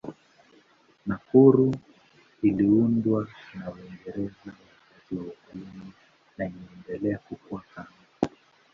Nakuru iliundwa na Uingereza wakati wa ukoloni na imeendelea kukua tangu.